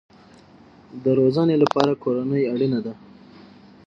د روزنې لپاره کورنۍ اړین ده